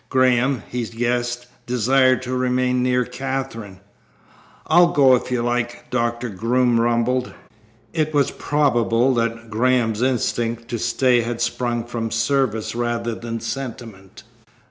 Graham, he guessed, desired to remain near Katherine. "I'll go, if you like," Doctor Groom rumbled. It was probable that Graham's instinct to stay had sprung from service rather than sentiment.